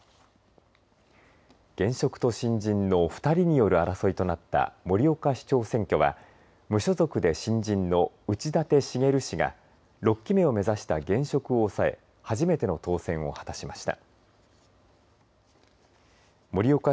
現職と新人の２人による争いとなった盛岡市長選挙は無所属で新人の内舘茂氏が６期目を目指した現職を抑え初めての当選を果たしました。